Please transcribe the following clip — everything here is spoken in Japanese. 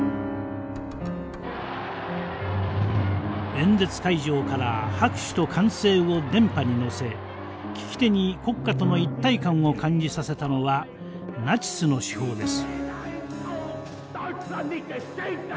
演説会場から拍手と歓声を電波に乗せ聴き手に国家との一体感を感じさせたのはナチスの手法です。